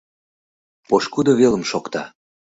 Пошкудо велым шокта.